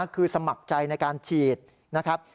คือสมัครใจในการฉีดนะครับ